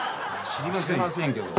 知りませんけど。